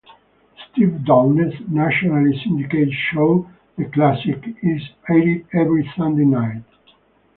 Steve Downes' nationally syndicated show, "The Classics", is aired every Sunday night.